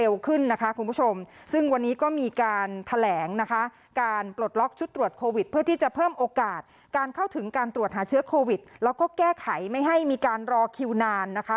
แล้วก็แก้ไขไม่ให้มีการรอคิวนานนะคะ